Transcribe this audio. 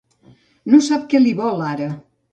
No sap què li vol, ara.